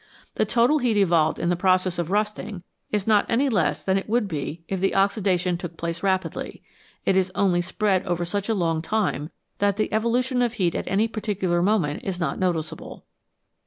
The total heat evolved 116 PRODUCTION OF LIGHT AND HEAT in the process of rusting is not any less than it would be if the oxidation took place rapidly ; it is only spread over such a long time that the evolution of heat at any particular moment is not noticeable.